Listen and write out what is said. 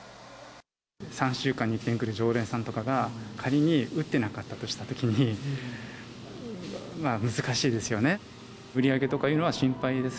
３週間に１回来る常連さんとかが、仮に打ってなかったとしたときに、難しいですよね。